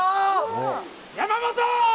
山本！